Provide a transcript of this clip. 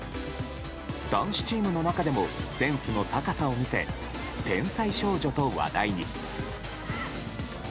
男子チームの中でもセンスの高さを見せ天才少女と話題に。